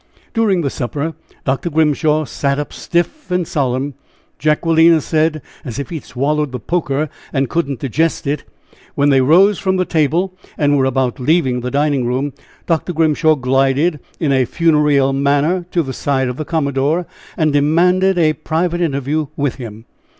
During the supper Dr. Grimshaw sat up as stiff and solemn Jacquelina said "as if he'd swallowed the poker and couldn't digest it." When they rose from the table, and were about leaving the dining room, Dr. Grimshaw glided in a funereal manner to the side of the commodore, and demanded a private interview with him.